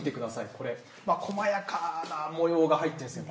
これ、細やかな模様が入ってるんですね。